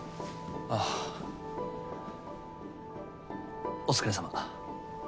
あぁ。お疲れさま。